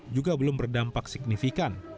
juga belum berdampak signifikan